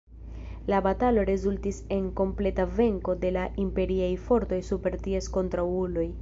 La batalo rezultis en kompleta venko de la Imperiaj fortoj super ties kontraŭuloj.